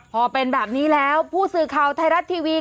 พอเป็นแบบนี้แล้วผู้สื่อข่าวไทยรัฐทีวี